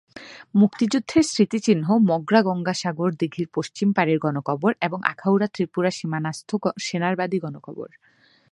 মুক্তিযুদ্ধের স্মৃতিচিহ্ন মগরা গঙ্গাসাগর দীঘির পশ্চিম পাড়ের গণকবর এবং আখাউড়া ত্রিপুরা সীমানাস্থ সেনারবাদী গণকবর।